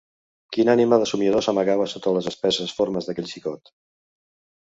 Quina ànima de somniador s'amagava sota les espesses formes d'aquell xicot!